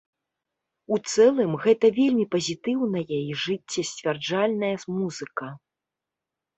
У цэлым, гэта вельмі пазітыўная і жыццесцвярджальная музыка.